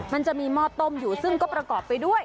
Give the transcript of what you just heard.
มันจะมีหม้อต้มอยู่ซึ่งก็ประกอบไปด้วย